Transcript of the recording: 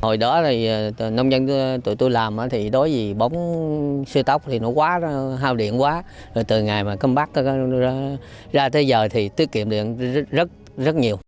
hồi đó nông dân tụi tui làm đói gì bóng siêu tóc thì nó quá hao điện quá rồi từ ngày mà compact ra tới giờ thì tiết kiệm điện rất nhiều